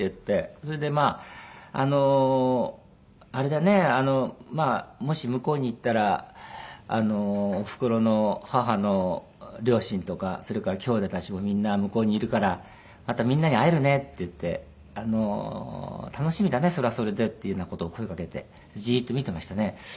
それでまあ「あれだね。もし向こうにいったらおふくろの母の両親とかそれからきょうだいたちもみんな向こうにいるからまたみんなに会えるね」って言って「楽しみだねそれはそれで」っていうような事を声かけてジーッと見てましてね。